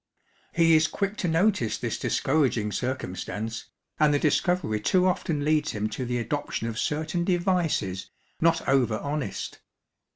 He is quick to notice this discouraging circumstance, and the discovery too often leads him to the adoption of certain devices, not over honest.